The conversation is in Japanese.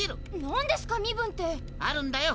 なんですか「身分」って⁉あるんだよ